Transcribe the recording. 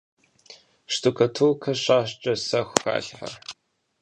Şştukaturke şaş'ç'i sexu xalhhe.